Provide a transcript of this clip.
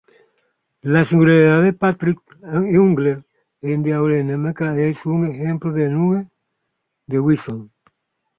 La singularidad Prandtl-Glauert en aerodinámicas es otro ejemplo de nube de Wilson.